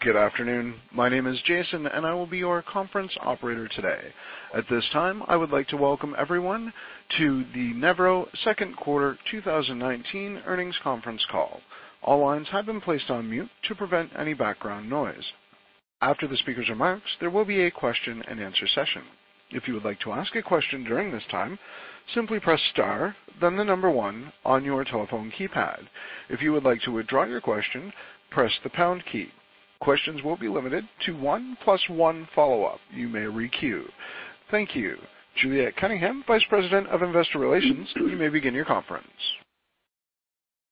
Good afternoon. My name is Jason. I will be your conference operator today. At this time, I would like to welcome everyone to the Nevro second quarter 2019 earnings conference call. All lines have been placed on mute to prevent any background noise. After the speaker's remarks, there will be a question-and-answer session. If you would like to ask a question during this time, simply press star, then the number one on your telephone keypad. If you would like to withdraw your question, press the pound key. Questions will be limited to one plus one follow-up. You may re-queue. Thank you. Juliet Cunningham, Vice President of Investor Relations, you may begin your conference.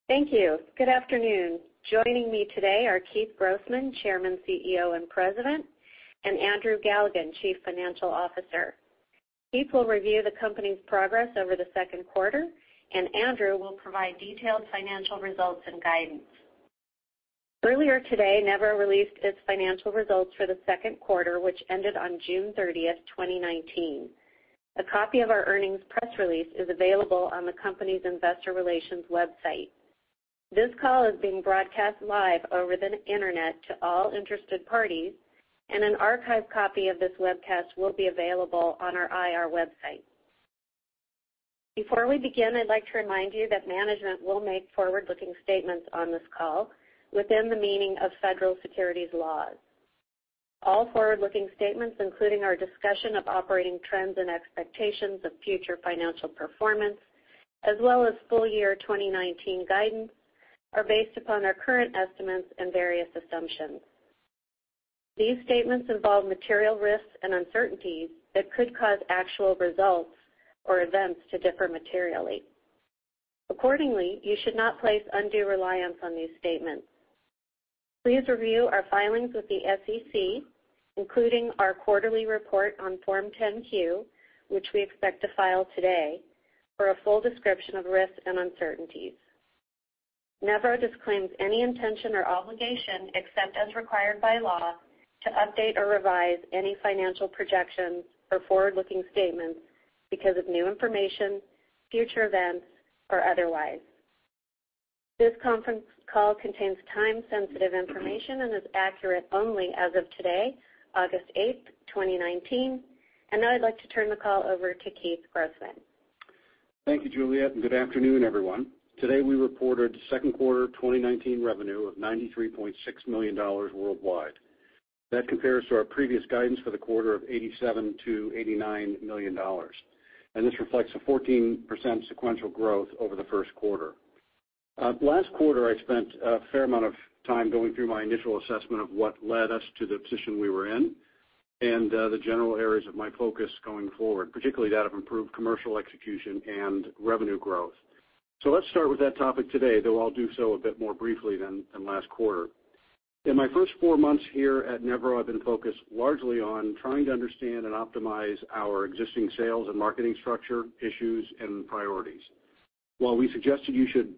Thank you. Good afternoon. Joining me today are Keith Grossman, Chairman, CEO, and President, and Andrew Galligan, Chief Financial Officer. Keith will review the company's progress over the second quarter. Andrew will provide detailed financial results and guidance. Earlier today, Nevro released its financial results for the second quarter, which ended on June 30th, 2019. A copy of our earnings press release is available on the company's investor relations website. This call is being broadcast live over the internet to all interested parties. An archive copy of this webcast will be available on our IR website. Before we begin, I'd like to remind you that management will make forward-looking statements on this call within the meaning of federal securities laws. All forward-looking statements, including our discussion of operating trends and expectations of future financial performance, as well as full year 2019 guidance, are based upon our current estimates and various assumptions. These statements involve material risks and uncertainties that could cause actual results or events to differ materially. Accordingly, you should not place undue reliance on these statements. Please review our filings with the SEC, including our quarterly report on Form 10-Q, which we expect to file today, for a full description of risks and uncertainties. Nevro disclaims any intention or obligation, except as required by law, to update or revise any financial projections or forward-looking statements because of new information, future events, or otherwise. This conference call contains time-sensitive information and is accurate only as of today, August 8th, 2019. Now I'd like to turn the call over to Keith Grossman. Thank you, Juliet. Good afternoon, everyone. Today, we reported second quarter 2019 revenue of $93.6 million worldwide. That compares to our previous guidance for the quarter of $87 million-$89 million. This reflects a 14% sequential growth over the first quarter. Last quarter, I spent a fair amount of time going through my initial assessment of what led us to the position we were in and the general areas of my focus going forward, particularly that of improved commercial execution and revenue growth. Let's start with that topic today, though I'll do so a bit more briefly than last quarter. In my first four months here at Nevro, I've been focused largely on trying to understand and optimize our existing sales and marketing structure, issues, and priorities. While we suggested you should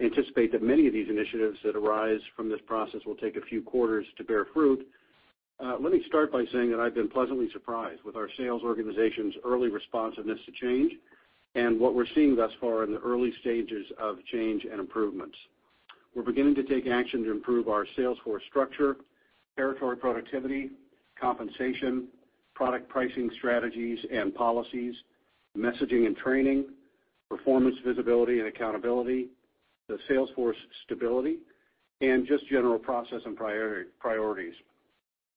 anticipate that many of these initiatives that arise from this process will take a few quarters to bear fruit, let me start by saying that I've been pleasantly surprised with our sales organization's early responsiveness to change and what we're seeing thus far in the early stages of change and improvements. We're beginning to take action to improve our sales force structure, territory productivity, compensation, product pricing strategies and policies, messaging and training, performance visibility and accountability, the sales force stability, and just general process and priorities.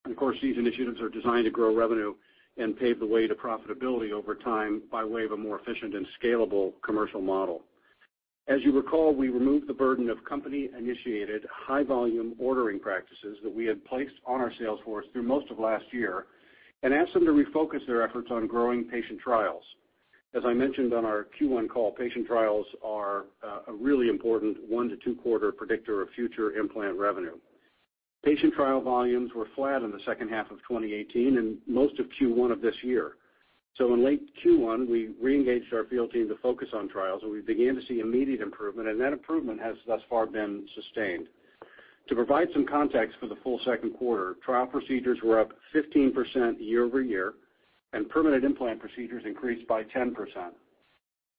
Of course, these initiatives are designed to grow revenue and pave the way to profitability over time by way of a more efficient and scalable commercial model. As you recall, we removed the burden of company-initiated high-volume ordering practices that we had placed on our sales force through most of last year and asked them to refocus their efforts on growing patient trials. As I mentioned on our Q1 call, patient trials are a really important one to two-quarter predictor of future implant revenue. Patient trial volumes were flat in the second half of 2018 and most of Q1 of this year. In late Q1, we reengaged our field team to focus on trials, and we began to see immediate improvement, and that improvement has thus far been sustained. To provide some context for the full second quarter, trial procedures were up 15% year-over-year, and permanent implant procedures increased by 10%.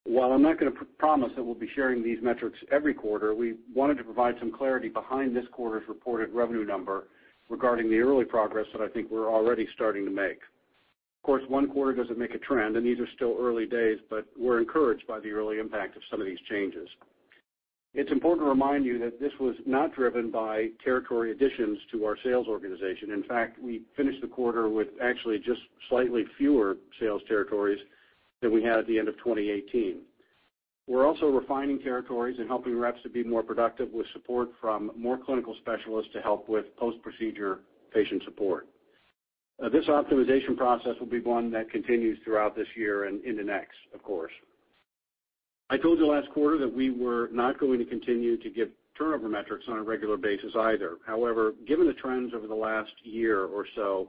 While I'm not going to promise that we'll be sharing these metrics every quarter, we wanted to provide some clarity behind this quarter's reported revenue number regarding the early progress that I think we're already starting to make. Of course, one quarter doesn't make a trend, and these are still early days, but we're encouraged by the early impact of some of these changes. It's important to remind you that this was not driven by territory additions to our sales organization. In fact, we finished the quarter with actually just slightly fewer sales territories than we had at the end of 2018. We're also refining territories and helping reps to be more productive with support from more clinical specialists to help with post-procedure patient support. This optimization process will be one that continues throughout this year and into next, of course. I told you last quarter that we were not going to continue to give turnover metrics on a regular basis either. Given the trends over the last year or so,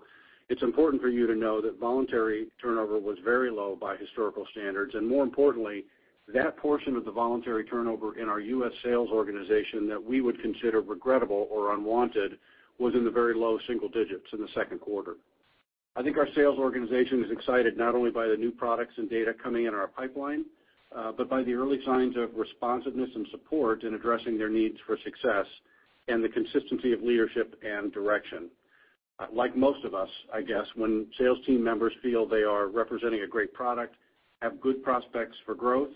it's important for you to know that voluntary turnover was very low by historical standards, and more importantly, that portion of the voluntary turnover in our U.S. sales organization that we would consider regrettable or unwanted was in the very low single digits in the second quarter. I think our sales organization is excited not only by the new products and data coming in our pipeline, but by the early signs of responsiveness and support in addressing their needs for success and the consistency of leadership and direction. Like most of us, I guess, when sales team members feel they are representing a great product, have good prospects for growth,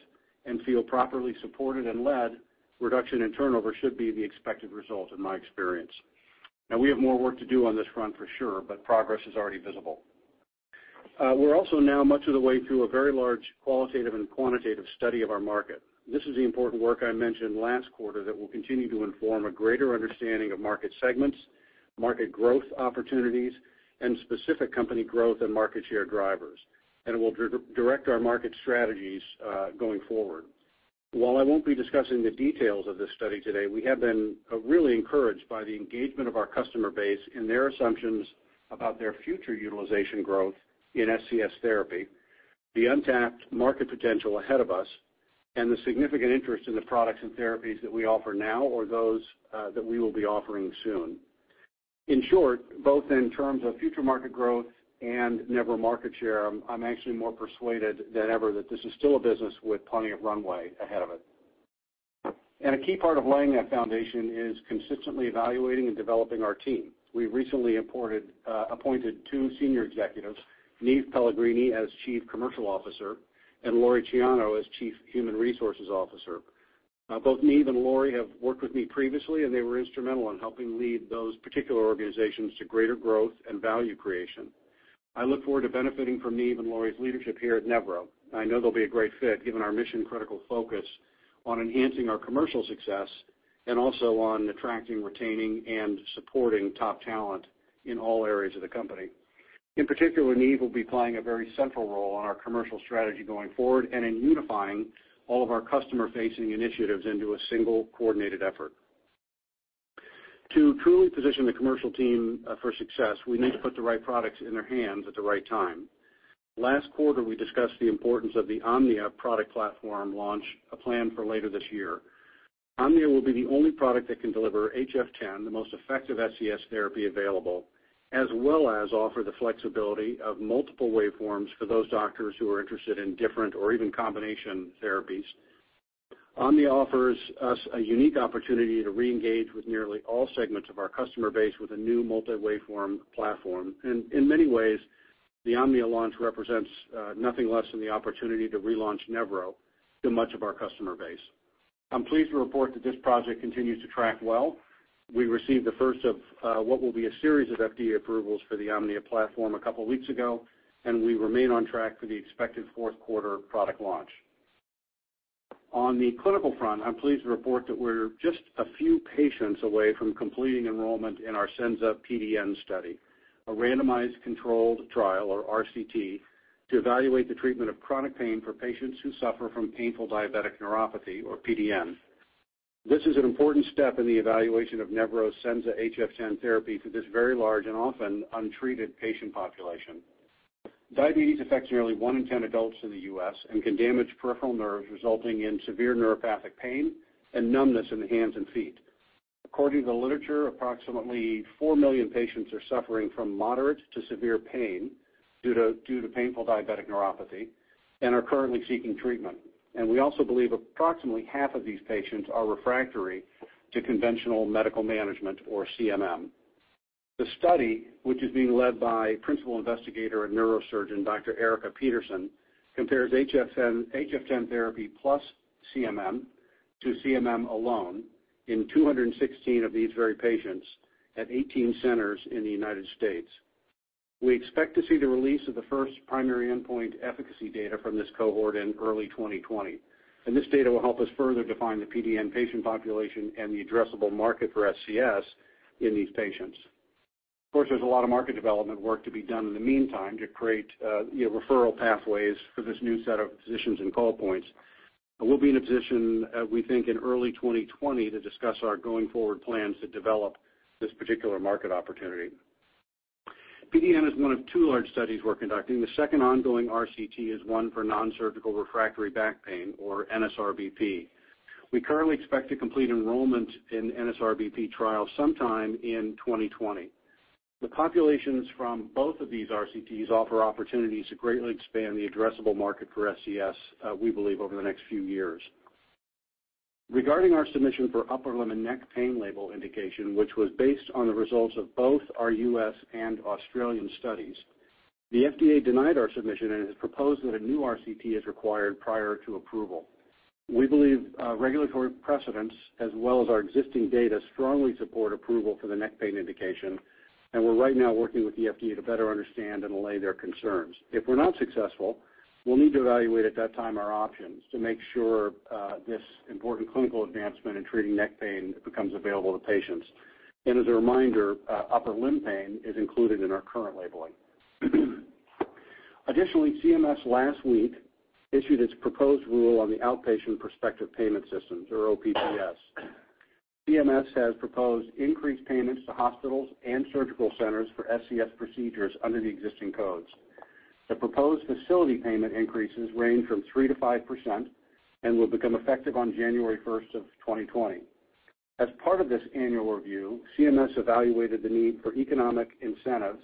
and feel properly supported and led, reduction in turnover should be the expected result, in my experience. We have more work to do on this front for sure, but progress is already visible. We're also now much of the way through a very large qualitative and quantitative study of our market. This is the important work I mentioned last quarter that will continue to inform a greater understanding of market segments, market growth opportunities, and specific company growth and market share drivers. It will direct our market strategies going forward. While I won't be discussing the details of this study today, we have been really encouraged by the engagement of our customer base in their assumptions about their future utilization growth in SCS therapy, the untapped market potential ahead of us, and the significant interest in the products and therapies that we offer now or those that we will be offering soon. In short, both in terms of future market growth and Nevro market share, I'm actually more persuaded than ever that this is still a business with plenty of runway ahead of it. A key part of laying that foundation is consistently evaluating and developing our team. We've recently appointed two senior executives, Niamh Pellegrini as Chief Commercial Officer and Lori Chiano as Chief Human Resources Officer. Both Niamh and Lori have worked with me previously, and they were instrumental in helping lead those particular organizations to greater growth and value creation. I look forward to benefiting from Niamh and Lori's leadership here at Nevro. I know they'll be a great fit, given our mission-critical focus on enhancing our commercial success and also on attracting, retaining, and supporting top talent in all areas of the company. In particular, Niamh will be playing a very central role on our commercial strategy going forward and in unifying all of our customer-facing initiatives into a single coordinated effort. To truly position the commercial team for success, we need to put the right products in their hands at the right time. Last quarter, we discussed the importance of the Omnia product platform launch, a plan for later this year. Omnia will be the only product that can deliver HF10, the most effective SCS therapy available, as well as offer the flexibility of multiple waveforms for those doctors who are interested in different or even combination therapies. Omnia offers us a unique opportunity to reengage with nearly all segments of our customer base with a new multi-waveform platform. In many ways, the Omnia launch represents nothing less than the opportunity to relaunch Nevro to much of our customer base. I'm pleased to report that this project continues to track well. We received the first of what will be a series of FDA approvals for the Omnia platform a couple of weeks ago, and we remain on track for the expected fourth quarter product launch. On the clinical front, I'm pleased to report that we're just a few patients away from completing enrollment in our Senza-PDN study, a randomized controlled trial or RCT to evaluate the treatment of chronic pain for patients who suffer from painful diabetic neuropathy or PDN. This is an important step in the evaluation of Nevro's Senza HF10 therapy for this very large and often untreated patient population. Diabetes affects nearly one in 10 adults in the U.S. and can damage peripheral nerves, resulting in severe neuropathic pain and numbness in the hands and feet. According to the literature, approximately 4 million patients are suffering from moderate to severe pain due to painful diabetic neuropathy and are currently seeking treatment. We also believe approximately half of these patients are refractory to conventional medical management or CMM. The study, which is being led by principal investigator and neurosurgeon Dr. Erika Petersen, compares HF10 therapy plus CMM to CMM alone in 216 of these very patients at 18 centers in the United States. We expect to see the release of the first primary endpoint efficacy data from this cohort in early 2020. This data will help us further define the PDN patient population and the addressable market for SCS in these patients. Of course, there's a lot of market development work to be done in the meantime to create referral pathways for this new set of physicians and call points. We'll be in a position, we think, in early 2020 to discuss our going-forward plans to develop this particular market opportunity. PDN is one of two large studies we're conducting. The second ongoing RCT is one for nonsurgical refractory back pain or NSRBP. We currently expect to complete enrollment in NSRBP trial sometime in 2020. The populations from both of these RCTs offer opportunities to greatly expand the addressable market for SCS, we believe, over the next few years. Regarding our submission for upper limb and neck pain label indication, which was based on the results of both our U.S. and Australian studies, the FDA denied our submission and has proposed that a new RCT is required prior to approval. We believe regulatory precedents, as well as our existing data, strongly support approval for the neck pain indication. We're right now working with the FDA to better understand and allay their concerns. If we're not successful, we'll need to evaluate at that time our options to make sure this important clinical advancement in treating neck pain becomes available to patients. As a reminder, upper limb pain is included in our current labeling. Additionally, CMS last week issued its proposed rule on the outpatient prospective payment systems or OPPS. CMS has proposed increased payments to hospitals and surgical centers for SCS procedures under the existing codes. The proposed facility payment increases range from 3%-5% and will become effective on January 1st, 2020. As part of this annual review, CMS evaluated the need for economic incentives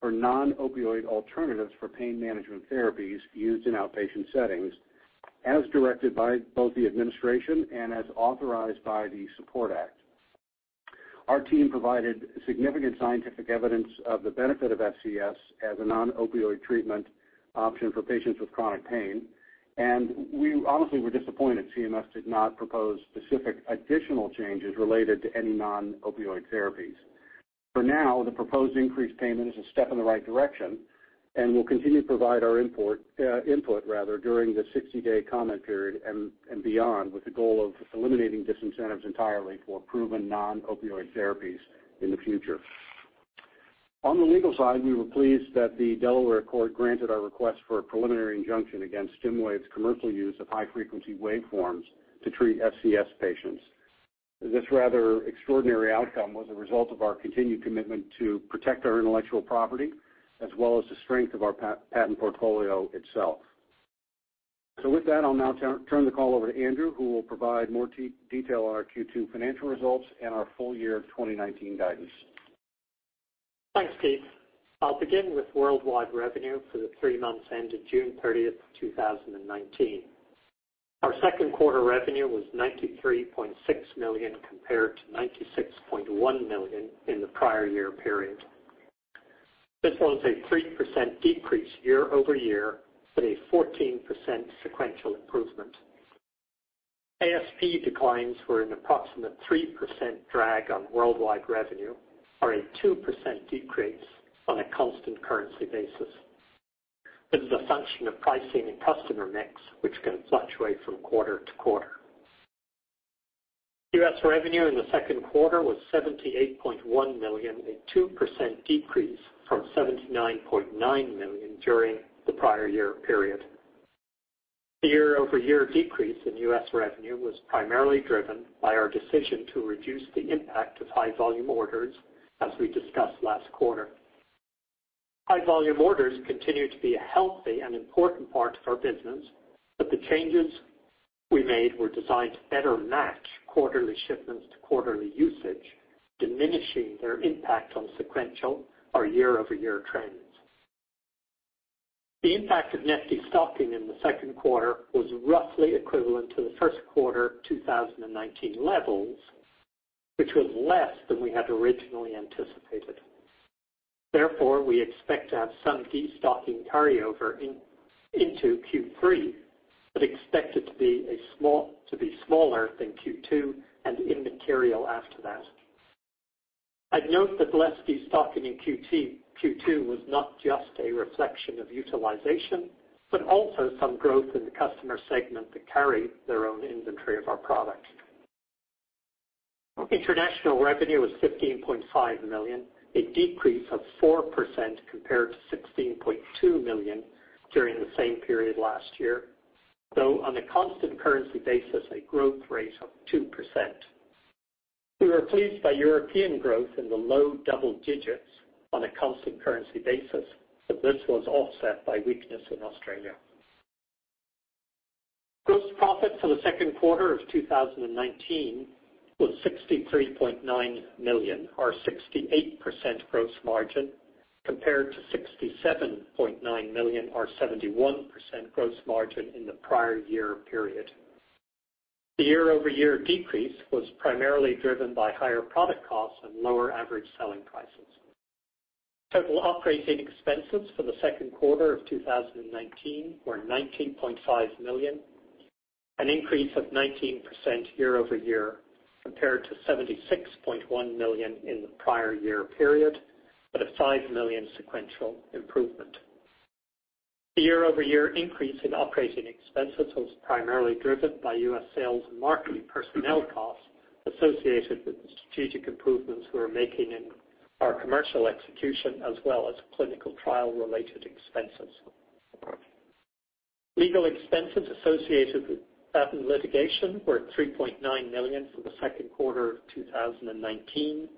for non-opioid alternatives for pain management therapies used in outpatient settings, as directed by both the administration and as authorized by the SUPPORT Act. Our team provided significant scientific evidence of the benefit of SCS as a non-opioid treatment option for patients with chronic pain, and we honestly were disappointed CMS did not propose specific additional changes related to any non-opioid therapies. For now, the proposed increased payment is a step in the right direction. We'll continue to provide our input during the 60-day comment period and beyond with the goal of eliminating disincentives entirely for proven non-opioid therapies in the future. On the legal side, we were pleased that the Delaware Court granted our request for a preliminary injunction against Stimwave's commercial use of high-frequency waveforms to treat SCS patients. This rather extraordinary outcome was a result of our continued commitment to protect our intellectual property, as well as the strength of our patent portfolio itself. With that, I'll now turn the call over to Andrew, who will provide more detail on our Q2 financial results and our full year 2019 guidance. Thanks, Keith. I'll begin with worldwide revenue for the three months ended June 30th, 2019. Our second quarter revenue was $93.6 million compared to $96.1 million in the prior year period. This was a 3% decrease year-over-year, but a 14% sequential improvement. ASP declines were an approximate 3% drag on worldwide revenue, or a 2% decrease on a constant currency basis. This is a function of pricing and customer mix, which can fluctuate from quarter-to-quarter. U.S. revenue in the second quarter was $78.1 million, a 2% decrease from $79.9 million during the prior year period. The year-over-year decrease in U.S. revenue was primarily driven by our decision to reduce the impact of high volume orders, as we discussed last quarter. High volume orders continue to be a healthy and important part of our business, the changes we made were designed to better match quarterly shipments to quarterly usage, diminishing their impact on sequential or year-over-year trends. The impact of net destocking in the second quarter was roughly equivalent to the first quarter 2019 levels, which was less than we had originally anticipated. We expect to have some destocking carryover into Q3, but expect it to be smaller than Q2 and immaterial after that. I'd note that less destocking in Q2 was not just a reflection of utilization, but also some growth in the customer segment that carry their own inventory of our product. International revenue was $15.5 million, a decrease of 4% compared to $16.2 million during the same period last year, though on a constant currency basis, a growth rate of 2%. We were pleased by European growth in the low double digits on a constant currency basis, but this was offset by weakness in Australia. Gross profit for the second quarter of 2019 was $63.9 million or 68% gross margin compared to $67.9 million or 71% gross margin in the prior year period. The year-over-year decrease was primarily driven by higher product costs and lower average selling prices. Total operating expenses for the second quarter of 2019 were $19.5 million, an increase of 19% year-over-year compared to $76.1 million in the prior year period, but a $5 million sequential improvement. The year-over-year increase in operating expenses was primarily driven by U.S. sales and marketing personnel costs associated with the strategic improvements we're making in our commercial execution, as well as clinical trial-related expenses. Legal expenses associated with patent litigation were $3.9 million for the second quarter of 2019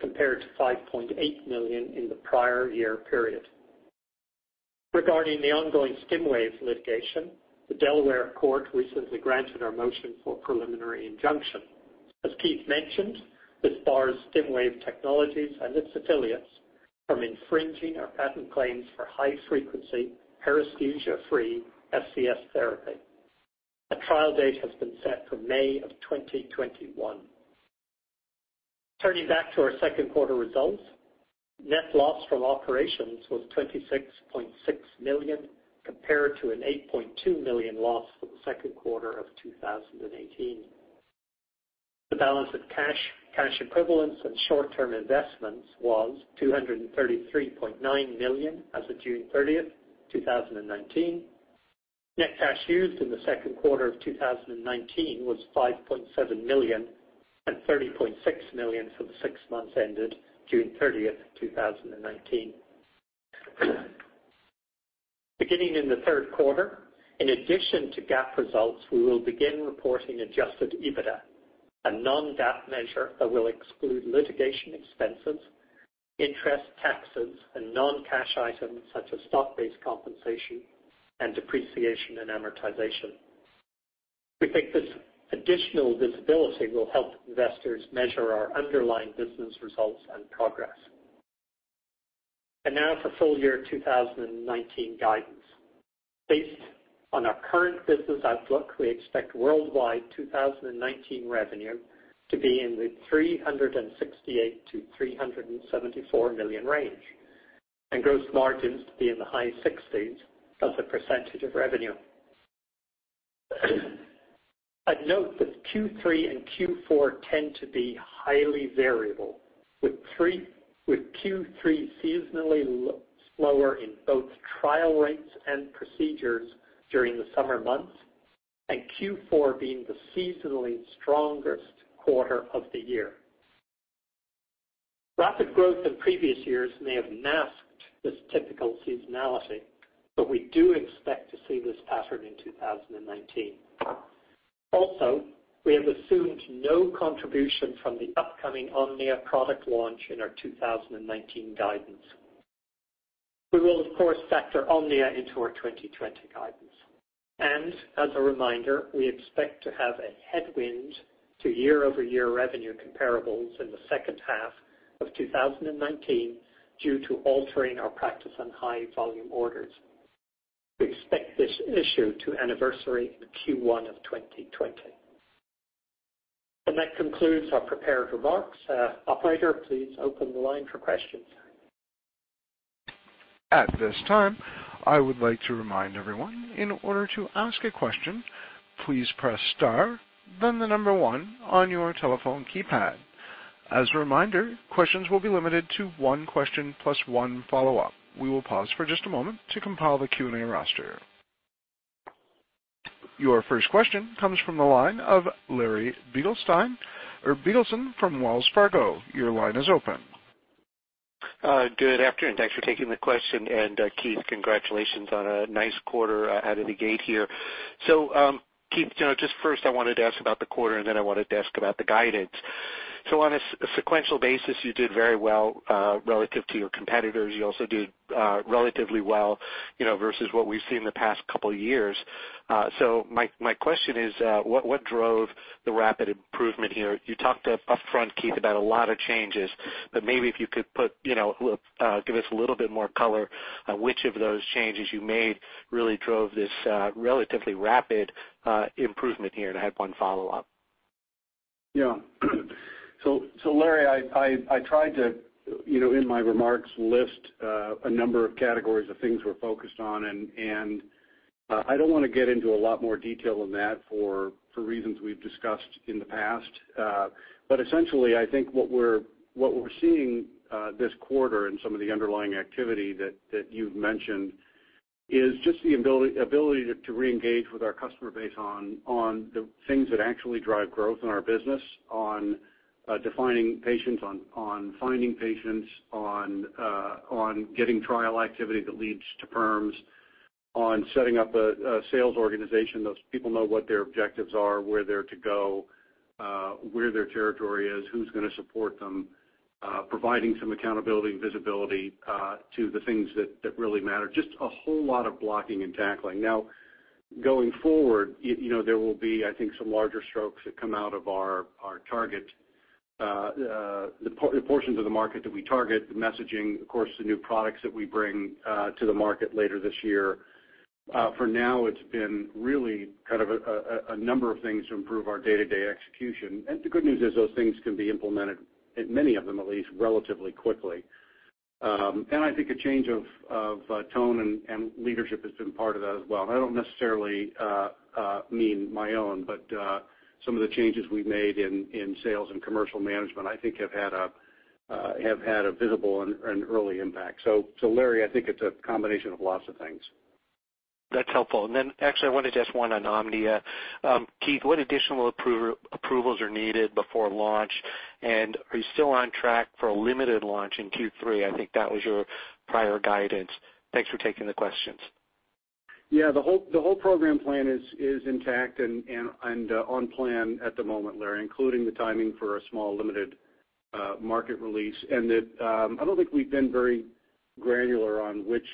compared to $5.8 million in the prior year period. Regarding the ongoing Stimwave litigation, the Delaware Court recently granted our motion for preliminary injunction. As Keith mentioned, this bars Stimwave Technologies and its affiliates from infringing our patent claims for high-frequency, paresthesia-free SCS therapy. A trial date has been set for May of 2021. Turning back to our second quarter results, net loss from operations was $26.6 million compared to an $8.2 million loss for the second quarter of 2018. The balance of cash equivalents, and short-term investments was $233.9 million as of June 30th, 2019. Net cash used in the second quarter of 2019 was $5.7 million and $30.6 million for the six months ended June 30th, 2019. Beginning in the third quarter, in addition to GAAP results, we will begin reporting adjusted EBITDA. A non-GAAP measure that will exclude litigation expenses, interest, taxes, and non-cash items such as stock-based compensation and depreciation and amortization. We think this additional visibility will help investors measure our underlying business results and progress. Now for full-year 2019 guidance. Based on our current business outlook, we expect worldwide 2019 revenue to be in the $368 million-$374 million range, and gross margins to be in the high 60s as a percentage of revenue. I'd note that Q3 and Q4 tend to be highly variable, with Q3 seasonally slower in both trial rates and procedures during the summer months, and Q4 being the seasonally strongest quarter of the year. Rapid growth in previous years may have masked this typical seasonality, but we do expect to see this pattern in 2019. We have assumed no contribution from the upcoming Omnia product launch in our 2019 guidance. We will, of course, factor Omnia into our 2020 guidance. As a reminder, we expect to have a headwind to year-over-year revenue comparables in the second half of 2019 due to altering our practice on high volume orders. We expect this issue to anniversary in Q1 of 2020. That concludes our prepared remarks. Operator, please open the line for questions. At this time, I would like to remind everyone, in order to ask a question, please press star, then the number one on your telephone keypad. As a reminder, questions will be limited to one question plus one follow-up. We will pause for just a moment to compile the Q&A roster. Your first question comes from the line of Larry Biegelsen or Biegelsen from Wells Fargo. Your line is open. Good afternoon. Thanks for taking the question, and Keith, congratulations on a nice quarter out of the gate here. Keith, just first I wanted to ask about the quarter, and then I wanted to ask about the guidance. On a sequential basis, you did very well, relative to your competitors. You also did relatively well versus what we've seen the past couple of years. My question is, what drove the rapid improvement here? You talked up front, Keith, about a lot of changes, but maybe if you could give us a little bit more color on which of those changes you made really drove this relatively rapid improvement here. I had one follow-up. Larry, I tried to, in my remarks, list a number of categories of things we're focused on, and I don't want to get into a lot more detail on that for reasons we've discussed in the past. Essentially, I think what we're seeing this quarter in some of the underlying activity that you've mentioned is just the ability to reengage with our customer base on the things that actually drive growth in our business, on defining patients, on finding patients, on getting trial activity that leads to firms, on setting up a sales organization. Those people know what their objectives are, where they're to go, where their territory is, who's going to support them, providing some accountability and visibility to the things that really matter. Just a whole lot of blocking and tackling. Now, going forward, there will be, I think, some larger strokes that come out of our target. The portions of the market that we target, the messaging, of course, the new products that we bring to the market later this year. For now, it's been really a number of things to improve our day-to-day execution. The good news is those things can be implemented, many of them at least, relatively quickly. I think a change of tone and leadership has been part of that as well. I don't necessarily mean my own, but some of the changes we've made in sales and commercial management, I think have had a visible and early impact. Larry, I think it's a combination of lots of things. That's helpful. Actually, I wanted to ask one on Omnia. Keith, what additional approvals are needed before launch, and are you still on track for a limited launch in Q3? I think that was your prior guidance. Thanks for taking the questions. Yeah, the whole program plan is intact and on plan at the moment, Larry, including the timing for a small, limited market release. I don't think we've been very granular on which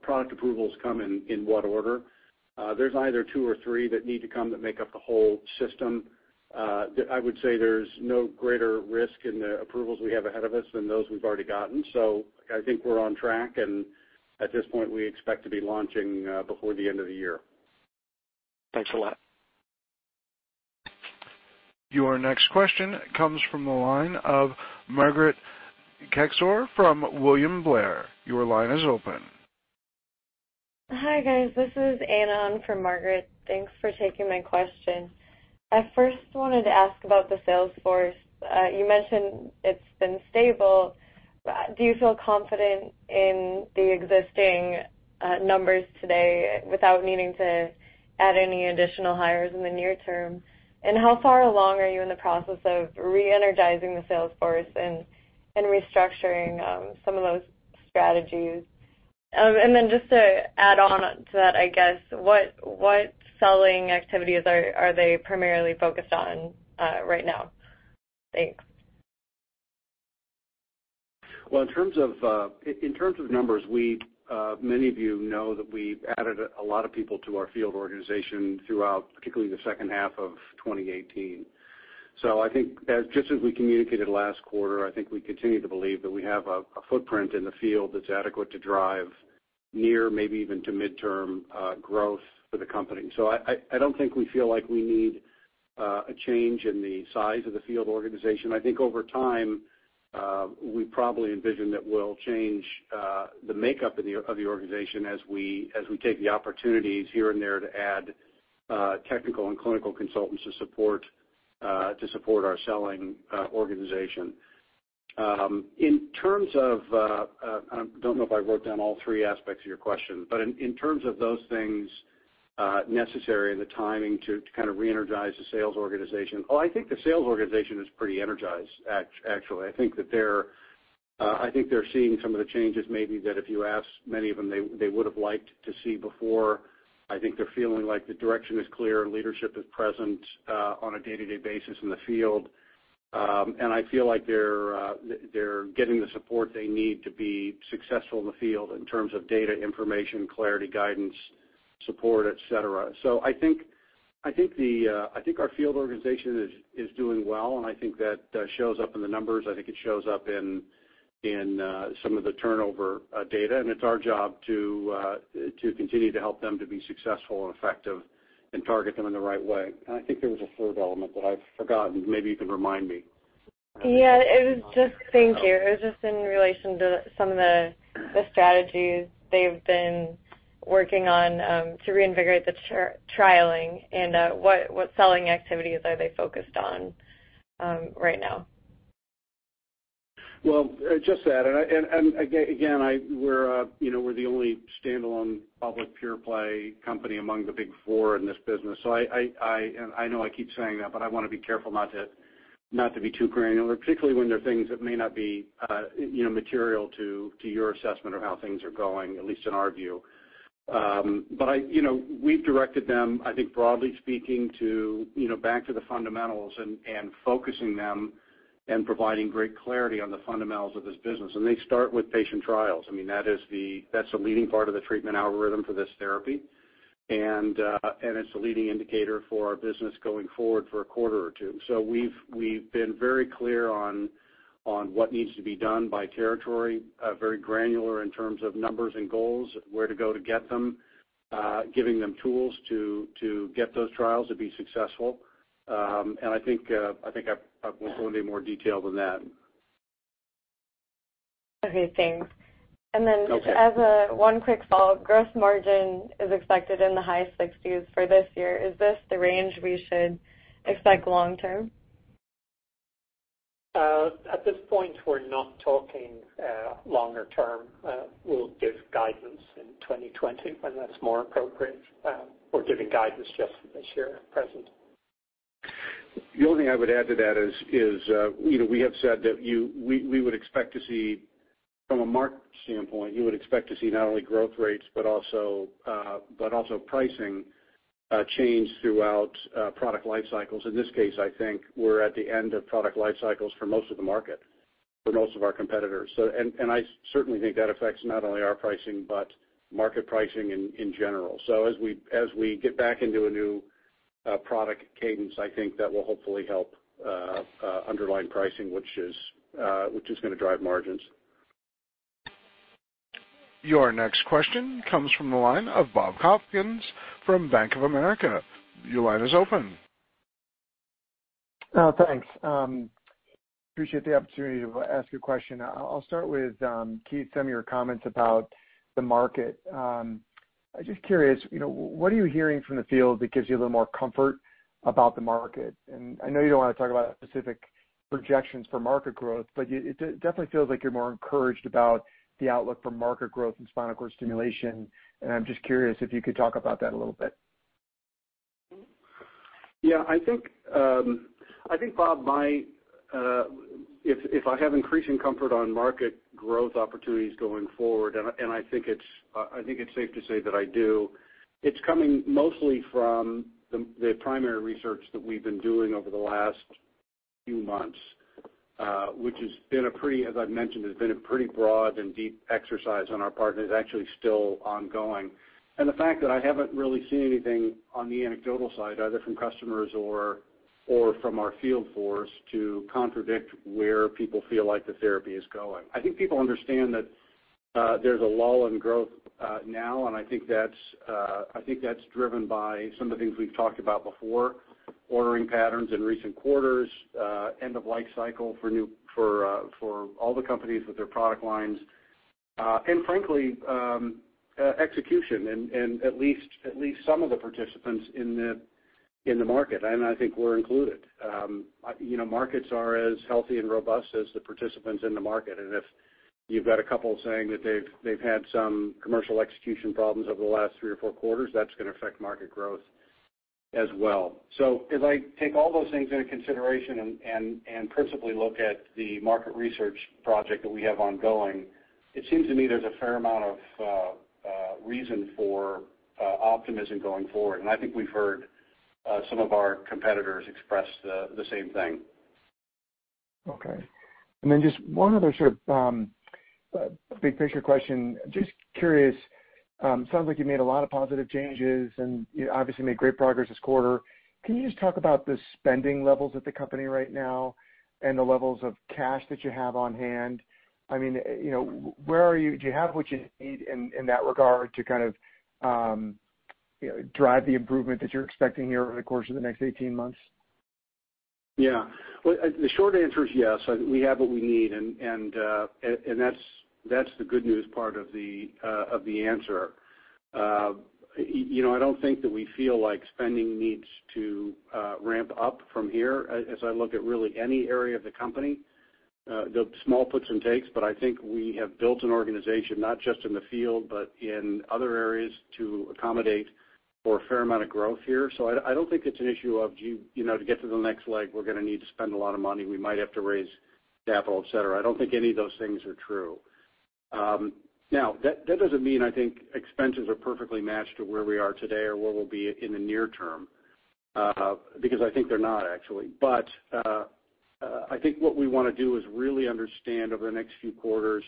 product approvals come in what order. There's either two or three that need to come that make up the whole system. I would say there's no greater risk in the approvals we have ahead of us than those we've already gotten. I think we're on track, and at this point, we expect to be launching before the end of the year. Thanks a lot. Your next question comes from the line of Margaret Kaczor from William Blair. Your line is open. Hi, guys. This is Anna on for Margaret. Thanks for taking my question. I first wanted to ask about the sales force. You mentioned it's been stable. Do you feel confident in the existing numbers today without needing to add any additional hires in the near term? How far along are you in the process of reenergizing the sales force and restructuring some of those strategies? Just to add on to that, I guess, what selling activities are they primarily focused on right now? Thanks. In terms of numbers, many of you know that we've added a lot of people to our field organization throughout, particularly the second half of 2018. I think just as we communicated last quarter, I think we continue to believe that we have a footprint in the field that's adequate to drive near maybe even to midterm growth for the company. I don't think we feel like we need a change in the size of the field organization. I think over time, we probably envision that we'll change the makeup of the organization as we take the opportunities here and there to add technical and clinical consultants to support our selling organization. I don't know if I wrote down all three aspects of your question, in terms of those things necessary and the timing to kind of reenergize the sales organization. Well, I think the sales organization is pretty energized, actually. I think they're seeing some of the changes maybe that if you ask many of them, they would've liked to see before. I think they're feeling like the direction is clear. Leadership is present on a day-to-day basis in the field. I feel like they're getting the support they need to be successful in the field in terms of data, information, clarity, guidance, support, et cetera. I think our field organization is doing well, and I think that shows up in the numbers. I think it shows up in some of the turnover data, and it's our job to continue to help them to be successful and effective and target them in the right way. I think there was a third element that I've forgotten. Maybe you can remind me. Yeah. Thank you. It was just in relation to some of the strategies they've been working on to reinvigorate the trialing and what selling activities are they focused on right now? Well, just that. Again, we're the only standalone public pure play company among the big four in this business. I know I keep saying that, but I want to be careful not to be too granular, particularly when there are things that may not be material to your assessment of how things are going, at least in our view. We've directed them, I think broadly speaking, back to the fundamentals and focusing them and providing great clarity on the fundamentals of this business. They start with patient trials. That's the leading part of the treatment algorithm for this therapy. It's the leading indicator for our business going forward for a quarter or two. We've been very clear on what needs to be done by territory, very granular in terms of numbers and goals, where to go to get them, giving them tools to get those trials to be successful. I think I won't go into any more detail than that. Okay, thanks. Okay. As a one quick follow-up, gross margin is expected in the high 60s for this year. Is this the range we should expect long term? At this point, we're not talking longer term. We'll give guidance in 2020 when that's more appropriate. We're giving guidance just for this year at present. The only thing I would add to that is we have said that from a market standpoint, you would expect to see not only growth rates but also pricing change throughout product life cycles. In this case, I think we're at the end of product life cycles for most of the market, for most of our competitors. I certainly think that affects not only our pricing, but market pricing in general. As we get back into a new product cadence, I think that will hopefully help underlying pricing, which is going to drive margins. Your next question comes from the line of Bob Hopkins from Bank of America. Your line is open. Thanks. Appreciate the opportunity to ask you a question. I'll start with, Keith, some of your comments about the market. Just curious, what are you hearing from the field that gives you a little more comfort about the market? I know you don't want to talk about specific projections for market growth, but it definitely feels like you're more encouraged about the outlook for market growth in spinal cord stimulation, and I'm just curious if you could talk about that a little bit? Yeah, I think, Bob, if I have increasing comfort on market growth opportunities going forward, and I think it's safe to say that I do, it's coming mostly from the primary research that we've been doing over the last few months, which as I've mentioned, has been a pretty broad and deep exercise on our part, and is actually still ongoing. The fact that I haven't really seen anything on the anecdotal side, either from customers or from our field force to contradict where people feel like the therapy is going. I think people understand that there's a lull in growth now, and I think that's driven by some of the things we've talked about before, ordering patterns in recent quarters, end of life cycle for all the companies with their product lines, and frankly, execution in at least some of the participants in the market, and I think we're included. Markets are as healthy and robust as the participants in the market, and if you've got a couple saying that they've had some commercial execution problems over the last three or four quarters, that's going to affect market growth as well. As I take all those things into consideration and principally look at the market research project that we have ongoing, it seems to me there's a fair amount of reason for optimism going forward, and I think we've heard some of our competitors express the same thing. Okay. Just one other sort of big picture question. Just curious, sounds like you've made a lot of positive changes, and you obviously made great progress this quarter. Can you just talk about the spending levels at the company right now and the levels of cash that you have on hand? Do you have what you need in that regard to drive the improvement that you're expecting here over the course of the next 18 months? Yeah. Well, the short answer is yes, we have what we need, and that's the good news part of the answer. I don't think that we feel like spending needs to ramp up from here as I look at really any area of the company. The small puts and takes, but I think we have built an organization, not just in the field, but in other areas to accommodate for a fair amount of growth here. I don't think it's an issue of to get to the next leg, we're going to need to spend a lot of money. We might have to raise capital, et cetera. I don't think any of those things are true. Now, that doesn't mean I think expenses are perfectly matched to where we are today or where we'll be in the near term, because I think they're not, actually. I think what we want to do is really understand over the next few quarters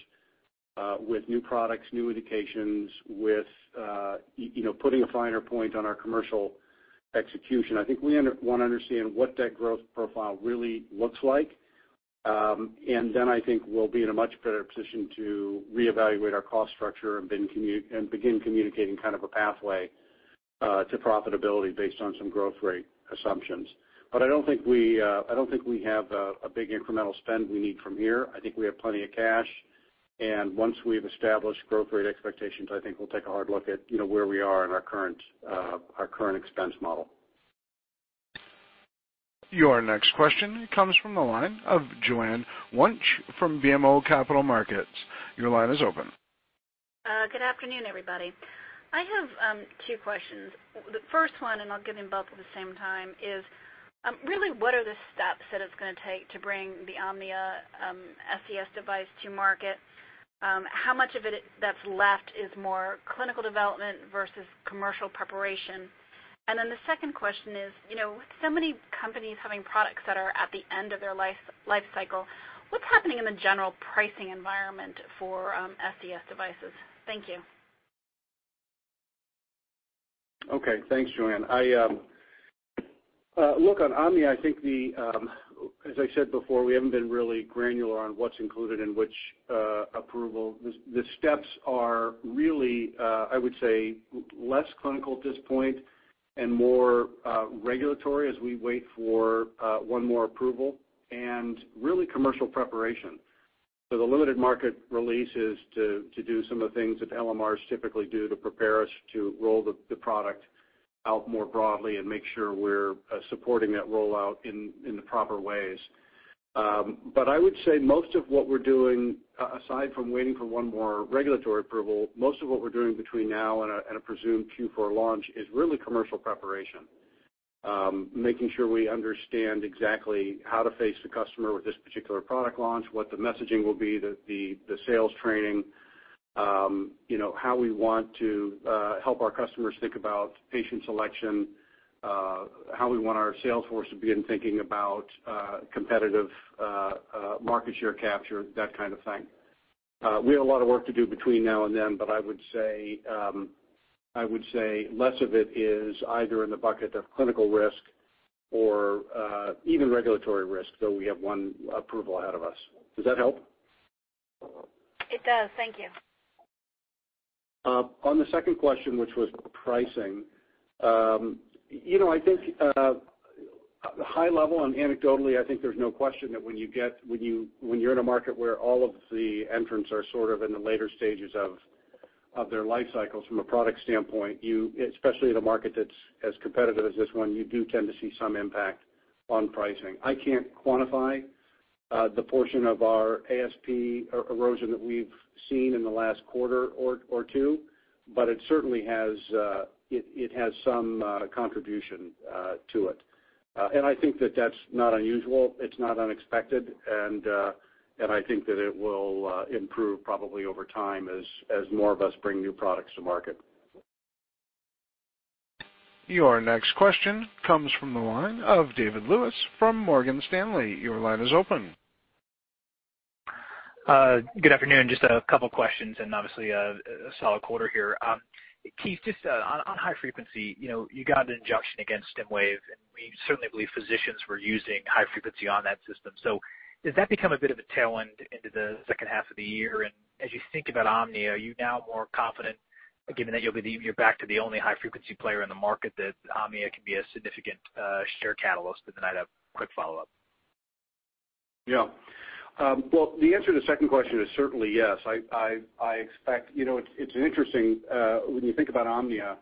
with new products, new indications, with putting a finer point on our commercial execution. I think we want to understand what that growth profile really looks like, and then I think we'll be in a much better position to reevaluate our cost structure and begin communicating kind of a pathway to profitability based on some growth rate assumptions. I don't think we have a big incremental spend we need from here. I think we have plenty of cash, and once we've established growth rate expectations, I think we'll take a hard look at where we are in our current expense model. Your next question comes from the line of Joanne Wuensch from BMO Capital Markets. Your line is open. Good afternoon, everybody. I have two questions. The first one, and I'll give them both at the same time, is really what are the steps that it's going to take to bring the Omnia SCS device to market? How much of it that's left is more clinical development versus commercial preparation? The second question is, with so many companies having products that are at the end of their life cycle, what's happening in the general pricing environment for SCS devices? Thank you. Okay. Thanks, Joanne. Look, on Omnia, I think as I said before, we haven't been really granular on what's included in which approval. The steps are really, I would say, less clinical at this point and more regulatory as we wait for one more approval and really commercial preparation. The limited market release is to do some of the things that LMRs typically do to prepare us to roll the product out more broadly and make sure we're supporting that rollout in the proper ways. I would say most of what we're doing, aside from waiting for one more regulatory approval, most of what we're doing between now and a presumed Q4 launch is really commercial preparation. Making sure we understand exactly how to face the customer with this particular product launch, what the messaging will be, the sales training, how we want to help our customers think about patient selection, how we want our sales force to begin thinking about competitive market share capture, that kind of thing. We have a lot of work to do between now and then, but I would say less of it is either in the bucket of clinical risk or even regulatory risk, though we have one approval ahead of us. Does that help? It does. Thank you. On the second question, which was pricing, I think high level and anecdotally, I think there's no question that when you're in a market where all of the entrants are sort of in the later stages of their life cycles from a product standpoint, especially in a market that's as competitive as this one, you do tend to see some impact on pricing. I can't quantify the portion of our ASP erosion that we've seen in the last quarter or two, but it certainly has some contribution to it. I think that that's not unusual. It's not unexpected, and I think that it will improve probably over time as more of us bring new products to market. Your next question comes from the line of David Lewis from Morgan Stanley. Your line is open. Good afternoon. Just a couple questions, and obviously a solid quarter here. Keith, just on high frequency, you got an injunction against Stimwave, and we certainly believe physicians were using high frequency on that system. Does that become a bit of a tailwind into the second half of the year? As you think about Omnia, are you now more confident, given that you're back to the only high-frequency player in the market, that Omnia can be a significant share catalyst? I'd have a quick follow-up. Well, the answer to the second question is certainly yes. It's interesting when you think about Omnia,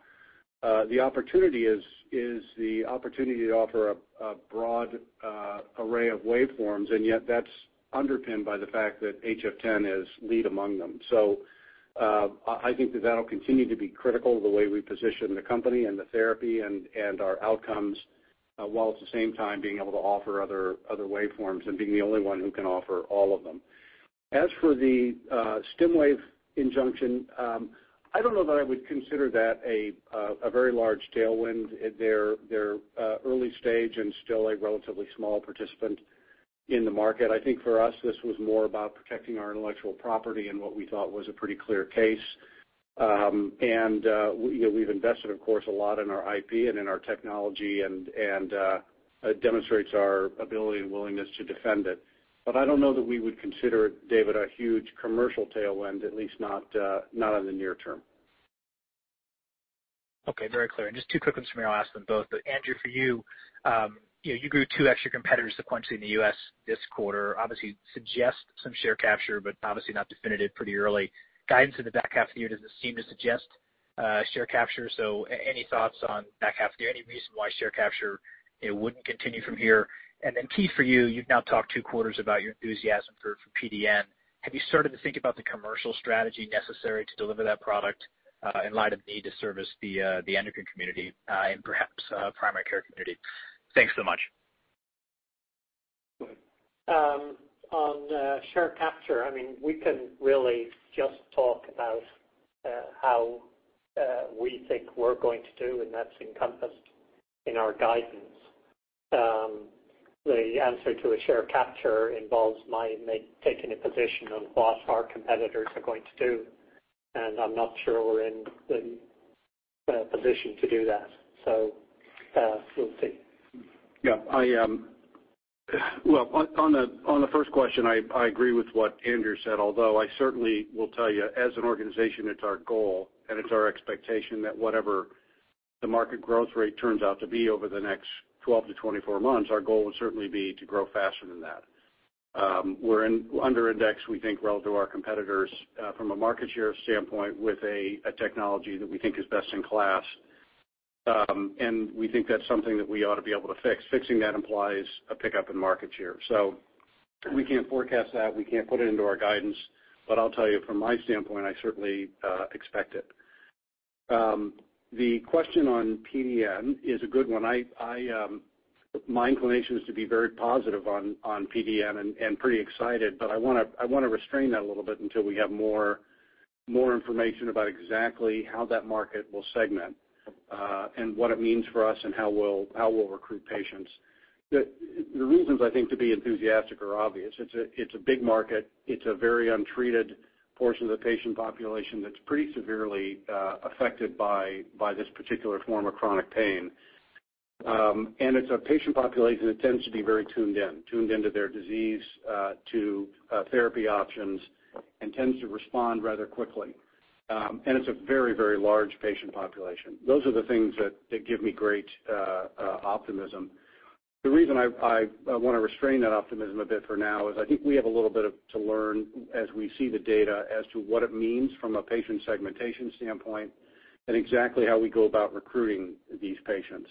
the opportunity is the opportunity to offer a broad array of waveforms, yet that's underpinned by the fact that HF10 is lead among them. I think that that'll continue to be critical the way we position the company and the therapy and our outcomes. While at the same time being able to offer other waveforms and being the only one who can offer all of them. As for the Stimwave injunction, I don't know that I would consider that a very large tailwind. They're early stage and still a relatively small participant in the market. I think for us, this was more about protecting our intellectual property and what we thought was a pretty clear case. We've invested, of course, a lot in our IP and in our technology, and it demonstrates our ability and willingness to defend it. I don't know that we would consider it, David, a huge commercial tailwind, at least not in the near term. Okay, very clear. Just two quick ones from me, I'll ask them both. Andrew, for you grew two extra competitors sequentially in the U.S. this quarter, obviously suggests some share capture, but obviously not definitive pretty early. Guidance in the back half of the year doesn't seem to suggest share capture. Any thoughts on back half of the year? Any reason why share capture wouldn't continue from here? Then Keith, for you've now talked two quarters about your enthusiasm for PDN. Have you started to think about the commercial strategy necessary to deliver that product, in light of need to service the endocrine community and perhaps primary care community? Thanks so much. On share capture, we can really just talk about how we think we're going to do, and that's encompassed in our guidance. The answer to a share capture involves my taking a position on what our competitors are going to do, and I'm not sure we're in the position to do that. We'll see. Yeah. Well, on the first question, I agree with what Andrew said, although I certainly will tell you, as an organization, it's our goal and it's our expectation that whatever the market growth rate turns out to be over the next 12 to 24 months, our goal would certainly be to grow faster than that. We're under indexed, we think, relative to our competitors from a market share standpoint, with a technology that we think is best in class. We think that's something that we ought to be able to fix. Fixing that implies a pickup in market share. We can't forecast that, we can't put it into our guidance, but I'll tell you from my standpoint, I certainly expect it. The question on PDN is a good one. My inclination is to be very positive on PDN and pretty excited, but I want to restrain that a little bit until we have more information about exactly how that market will segment and what it means for us and how we'll recruit patients. The reasons I think to be enthusiastic are obvious. It's a big market. It's a very untreated portion of the patient population that's pretty severely affected by this particular form of chronic pain. It's a patient population that tends to be very tuned in. Tuned into their disease, to therapy options, and tends to respond rather quickly. It's a very large patient population. Those are the things that give me great optimism. The reason I want to restrain that optimism a bit for now is I think we have a little bit to learn as we see the data as to what it means from a patient segmentation standpoint and exactly how we go about recruiting these patients.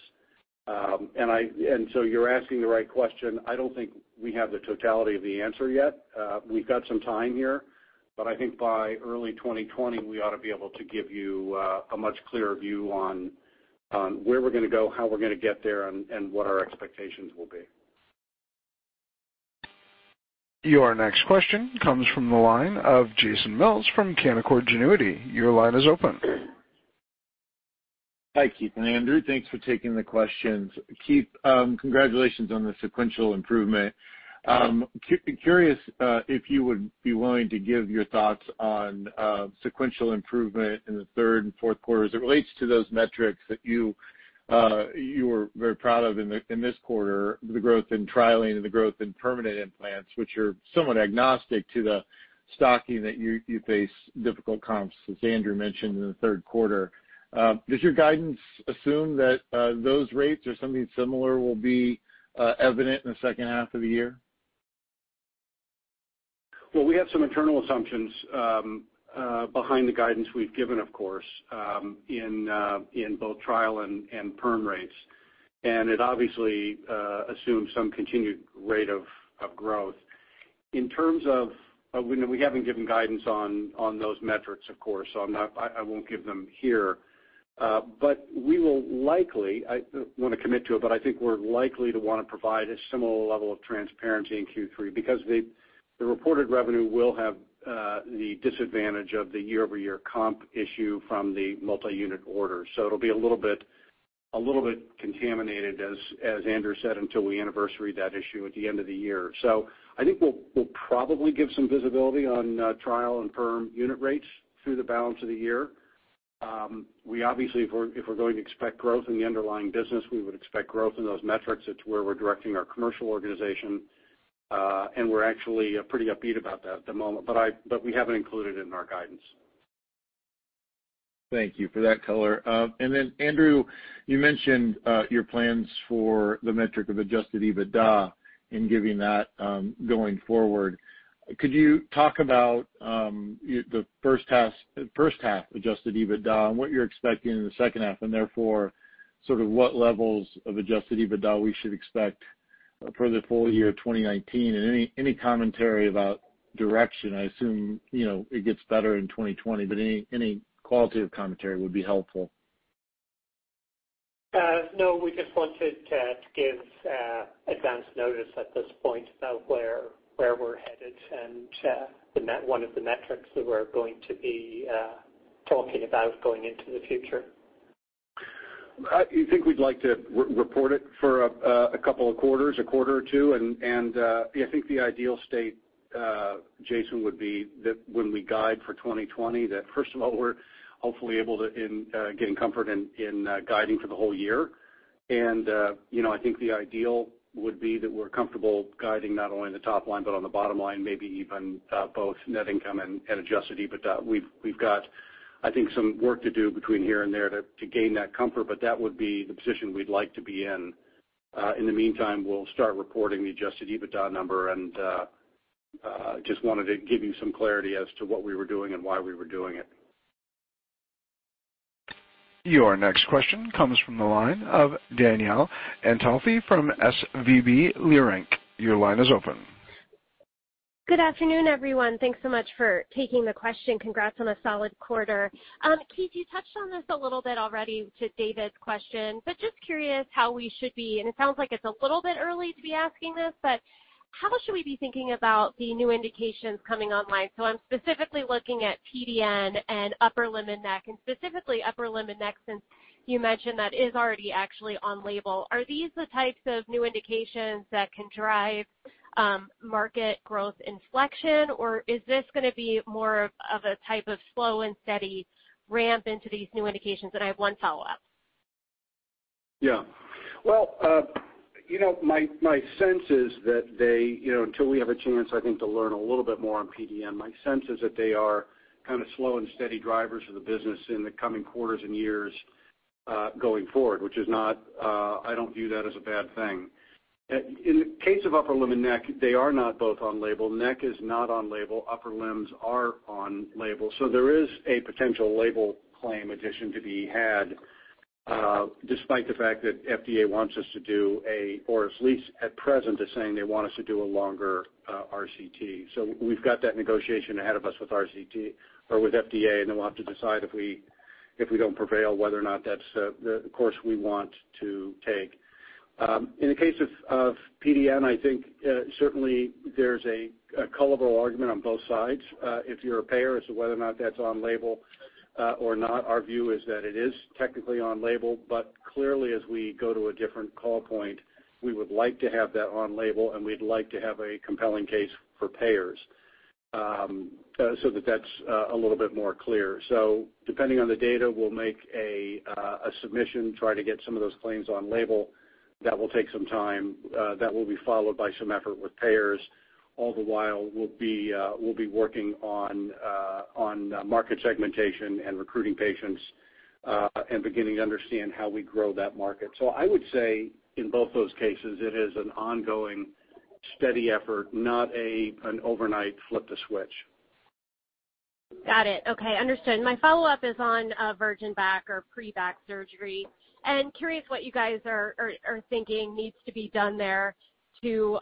You're asking the right question. I don't think we have the totality of the answer yet. We've got some time here. I think by early 2020, we ought to be able to give you a much clearer view on where we're going to go, how we're going to get there, and what our expectations will be. Your next question comes from the line of Jason Mills from Canaccord Genuity. Your line is open. Hi, Keith and Andrew. Thanks for taking the questions. Keith, congratulations on the sequential improvement. Curious if you would be willing to give your thoughts on sequential improvement in the third and fourth quarters as it relates to those metrics that you were very proud of in this quarter, the growth in trialing and the growth in permanent implants, which are somewhat agnostic to the stocking that you face difficult comps, as Andrew mentioned in the third quarter? Does your guidance assume that those rates or something similar will be evident in the second half of the year? Well, we have some internal assumptions behind the guidance we've given, of course, in both trial and perm rates. It obviously assumes some continued rate of growth. We haven't given guidance on those metrics, of course, so I won't give them here. We will likely, I don't want to commit to it, but I think we're likely to want to provide a similar level of transparency in Q3 because the reported revenue will have the disadvantage of the year-over-year comp issue from the multi-unit order. It'll be a little bit contaminated, as Andrew said, until we anniversary that issue at the end of the year. I think we'll probably give some visibility on trial and perm unit rates through the balance of the year. We obviously, if we're going to expect growth in the underlying business, we would expect growth in those metrics. It's where we're directing our commercial organization. We're actually pretty upbeat about that at the moment. We haven't included it in our guidance. Thank you for that color. Then Andrew, you mentioned your plans for the metric of adjusted EBITDA and giving that going forward. Could you talk about the first half adjusted EBITDA and what you're expecting in the second half, and therefore sort of what levels of adjusted EBITDA we should expect for the full year 2019, and any commentary about direction? I assume it gets better in 2020, but any qualitative commentary would be helpful. We just wanted to give advanced notice at this point about where we're headed, and one of the metrics that we're going to be talking about going into the future. I think we'd like to report it for a couple of quarters, a quarter or 2, I think the ideal state, Jason, would be that when we guide for 2020, that first of all, we're hopefully able to gain comfort in guiding for the whole year. I think the ideal would be that we're comfortable guiding not only on the top line, but on the bottom line, maybe even both net income and adjusted EBITDA. We've got, I think, some work to do between here and there to gain that comfort, but that would be the position we'd like to be in. In the meantime, we'll start reporting the adjusted EBITDA number, and just wanted to give you some clarity as to what we were doing and why we were doing it. Your next question comes from the line of Danielle Antalffy from SVB Leerink. Your line is open. Good afternoon, everyone. Thanks so much for taking the question. Congrats on a solid quarter. Keith, you touched on this a little bit already to David's question, but just curious how we should be, and it sounds like it's a little bit early to be asking this, but how should we be thinking about the new indications coming online? I'm specifically looking at PDN and upper limb and neck, and specifically upper limb and neck since you mentioned that is already actually on label. Are these the types of new indications that can drive market growth inflection, or is this going to be more of a type of slow and steady ramp into these new indications? And I have one follow-up. Well, my sense is that until we have a chance, I think, to learn a little bit more on PDN, my sense is that they are kind of slow and steady drivers of the business in the coming quarters and years going forward, which I don't view that as a bad thing. In the case of upper limb and neck, they are not both on label. Neck is not on label. Upper limbs are on label. There is a potential label claim addition to be had, despite the fact that FDA wants us to do a, or at least at present is saying they want us to do a longer RCT. Then we'll have to decide if we don't prevail, whether or not that's the course we want to take. In the case of PDN, I think certainly there's a colorable argument on both sides. If you're a payer as to whether or not that's on label or not, our view is that it is technically on label, but clearly, as we go to a different call point, we would like to have that on label, and we'd like to have a compelling case for payers. That's a little bit more clear. Depending on the data, we'll make a submission, try to get some of those claims on label. That will take some time. That will be followed by some effort with payers. All the while, we'll be working on market segmentation and recruiting patients and beginning to understand how we grow that market. I would say in both those cases, it is an ongoing steady effort, not an overnight flip a switch. Got it. Okay, understood. My follow-up is on virgin back or pre-back surgery. I'm curious what you guys are thinking needs to be done there to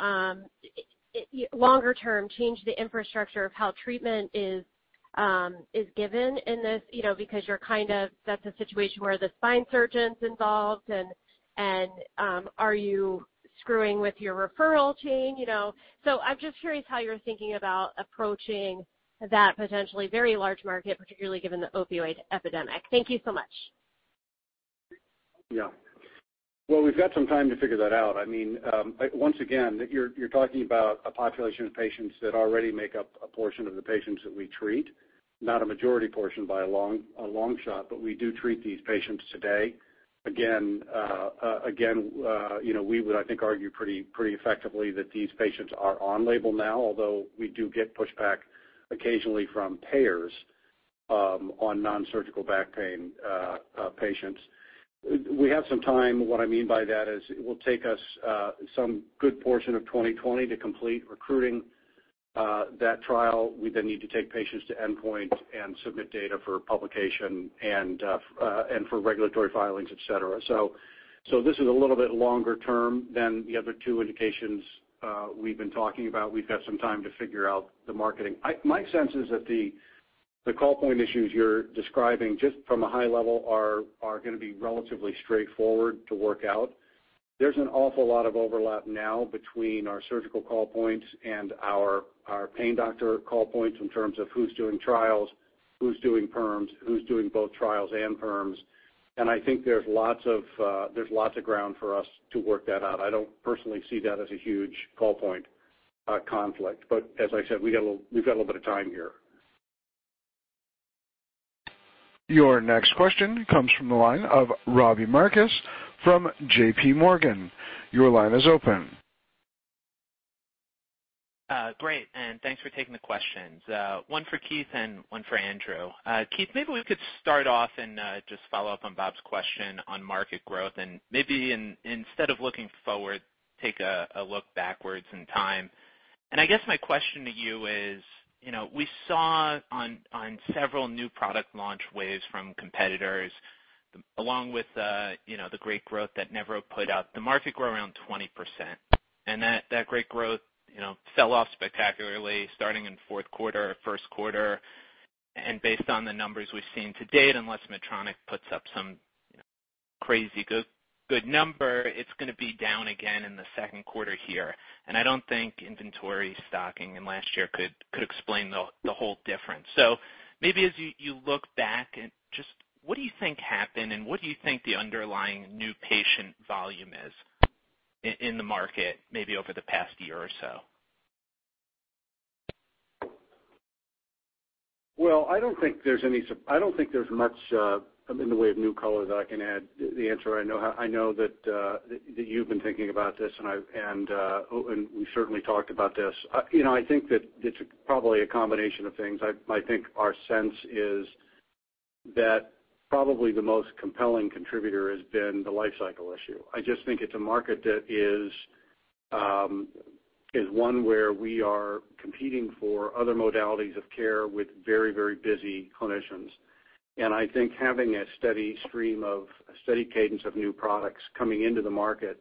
longer-term change the infrastructure of how treatment is given in this, because that's a situation where the spine surgeon's involved, and are you screwing with your referral chain? I'm just curious how you're thinking about approaching that potentially very large market, particularly given the opioid epidemic. Thank you so much. Well, we've got some time to figure that out. Once again, you're talking about a population of patients that already make up a portion of the patients that we treat, not a majority portion by a long shot, but we do treat these patients today. We would, I think, argue pretty effectively that these patients are on label now, although we do get pushback occasionally from payers on nonsurgical back pain patients. We have some time. What I mean by that is it will take us some good portion of 2020 to complete recruiting that trial. We then need to take patients to endpoint and submit data for publication and for regulatory filings, et cetera. This is a little bit longer term than the other two indications we've been talking about. We've got some time to figure out the marketing. My sense is that the call point issues you're describing just from a high level are going to be relatively straightforward to work out. There's an awful lot of overlap now between our surgical call points and our pain doctor call points in terms of who's doing trials, who's doing perms, who's doing both trials and perms. I think there's lots of ground for us to work that out. I don't personally see that as a huge call point conflict. As I said, we've got a little bit of time here. Your next question comes from the line of Robbie Marcus from J.P. Morgan. Your line is open. Great. Thanks for taking the questions. One for Keith and one for Andrew. Keith, maybe we could start off and just follow up on Bob's question on market growth, and maybe instead of looking forward, take a look backwards in time. I guess my question to you is, we saw on several new product launch waves from competitors, along with the great growth that Nevro put out, the market grew around 20%. That great growth fell off spectacularly starting in fourth quarter, first quarter. Based on the numbers we've seen to date, unless Medtronic puts up some crazy good number, it's going to be down again in the second quarter here, and I don't think inventory stocking in last year could explain the whole difference. Maybe as you look back, just what do you think happened, and what do you think the underlying new patient volume is in the market, maybe over the past year or so? Well, I don't think there's much in the way of new color that I can add to the answer. I know that you've been thinking about this, and we certainly talked about this. I think that it's probably a combination of things. I think our sense is that probably the most compelling contributor has been the life cycle issue. I just think it's a market that is one where we are competing for other modalities of care with very busy clinicians. I think having a steady cadence of new products coming into the market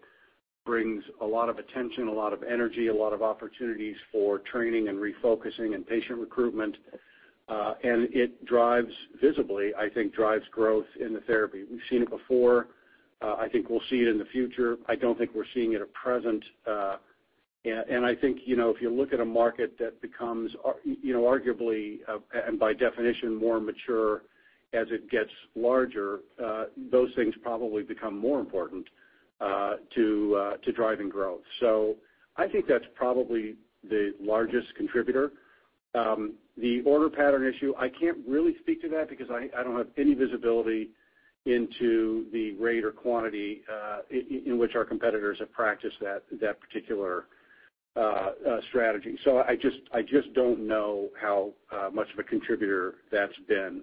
brings a lot of attention, a lot of energy, a lot of opportunities for training and refocusing and patient recruitment. It visibly, I think, drives growth in the therapy. We've seen it before. I think we'll see it in the future. I don't think we're seeing it at present. I think, if you look at a market that becomes arguably, and by definition, more mature as it gets larger, those things probably become more important to driving growth. I think that's probably the largest contributor. The order pattern issue, I can't really speak to that because I don't have any visibility into the rate or quantity in which our competitors have practiced that particular strategy. I just don't know how much of a contributor that's been.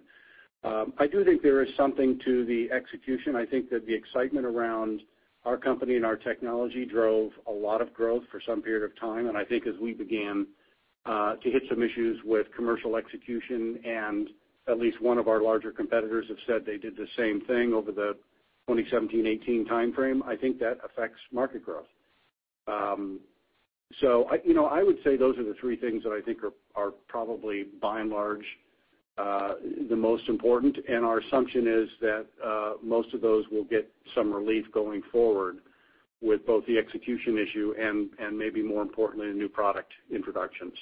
I do think there is something to the execution. I think that the excitement around our company and our technology drove a lot of growth for some period of time, and I think as we began to hit some issues with commercial execution, and at least one of our larger competitors have said they did the same thing over the 2017-18 timeframe, I think that affects market growth. I would say those are the three things that I think are probably by and large the most important, and our assumption is that most of those will get some relief going forward with both the execution issue and maybe more importantly, the new product introductions.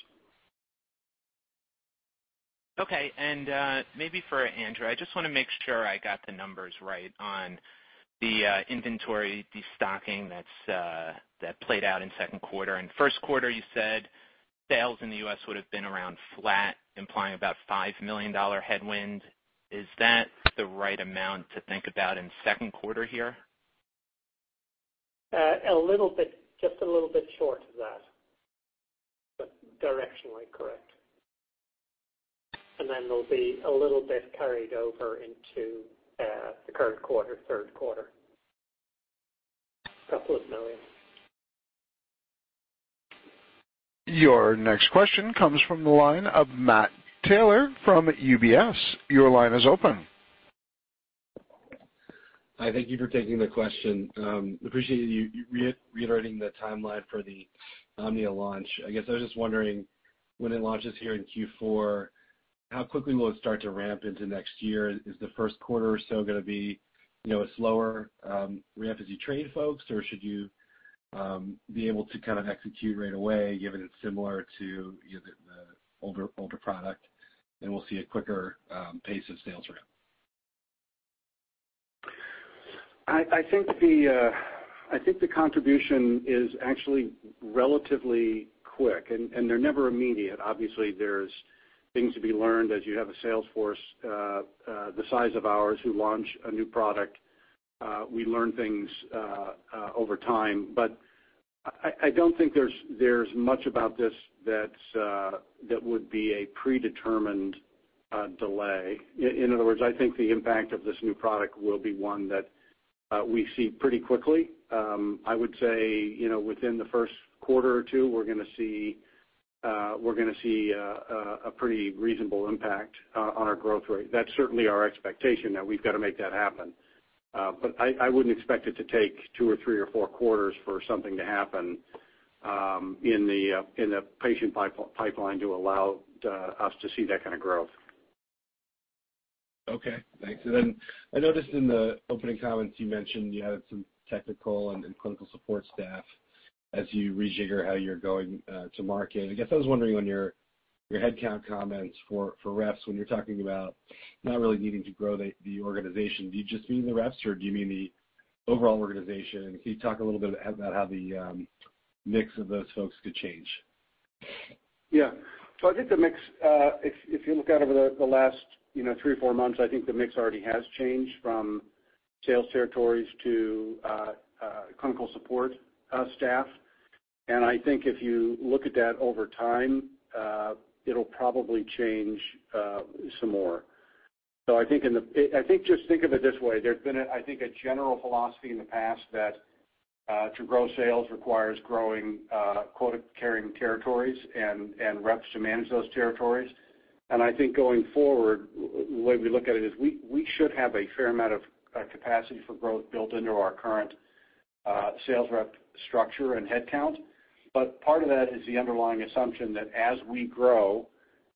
Maybe for Andrew, I just want to make sure I got the numbers right on the inventory destocking that played out in second quarter. In first quarter you said sales in the U.S. would've been around flat, implying about $5 million headwind. Is that the right amount to think about in second quarter here? Just a little bit short of that, but directionally correct. Then there'll be a little bit carried over into the current quarter, third quarter. $2 million. Your next question comes from the line of Matt Taylor from UBS. Your line is open. Hi, thank you for taking the question. Appreciate you reiterating the timeline for the Omnia launch. I guess I was just wondering, when it launches here in Q4, how quickly will it start to ramp into next year? Is the first quarter or so going to be a slower ramp as you train folks, or should you be able to kind of execute right away, given it's similar to the older product, and we'll see a quicker pace of sales ramp? I think the contribution is actually relatively quick, and they're never immediate. Obviously, there's things to be learned as you have a sales force the size of ours who launch a new product. We learn things over time. I don't think there's much about this that would be a predetermined delay. In other words, I think the impact of this new product will be one that we see pretty quickly. I would say within the first quarter or two, we're going to see a pretty reasonable impact on our growth rate. That's certainly our expectation. Now we've got to make that happen. I wouldn't expect it to take two or three or four quarters for something to happen in the patient pipeline to allow us to see that kind of growth. Okay, thanks. I noticed in the opening comments you mentioned you had some technical and clinical support staff as you rejigger how you're going to market. I guess I was wondering on your headcount comments for reps, when you're talking about not really needing to grow the organization, do you just mean the reps, or do you mean the overall organization? Can you talk a little bit about how the mix of those folks could change? Yeah. If you look out over the last three or four months, I think the mix already has changed from sales territories to clinical support staff. I think if you look at that over time, it'll probably change some more. Just think of it this way. There's been, I think, a general philosophy in the past that to grow sales requires growing quota-carrying territories and reps to manage those territories. I think going forward, the way we look at it is we should have a fair amount of capacity for growth built into our current sales rep structure and headcount. Part of that is the underlying assumption that as we grow,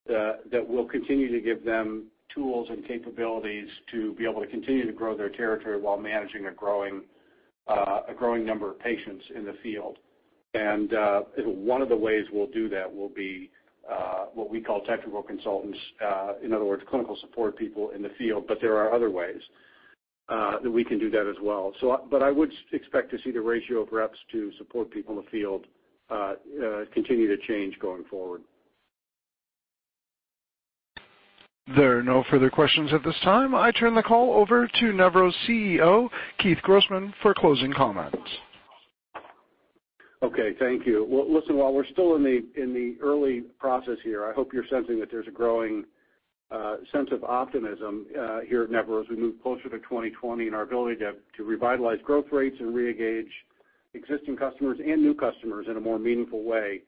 that we'll continue to give them tools and capabilities to be able to continue to grow their territory while managing a growing number of patients in the field. One of the ways we'll do that will be what we call technical consultants, in other words, clinical support people in the field, but there are other ways that we can do that as well. I would expect to see the ratio of reps to support people in the field continue to change going forward. There are no further questions at this time. I turn the call over to Nevro's CEO, Keith Grossman, for closing comments. Okay, thank you. Well, listen, while we're still in the early process here, I hope you're sensing that there's a growing sense of optimism here at Nevro as we move closer to 2020 and our ability to revitalize growth rates and reengage existing customers and new customers in a more meaningful way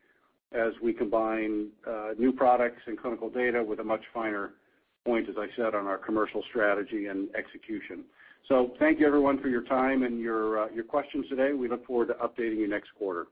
as we combine new products and clinical data with a much finer point, as I said, on our commercial strategy and execution. Thank you everyone for your time and your questions today. We look forward to updating you next quarter.